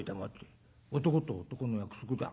男と男の約束だ。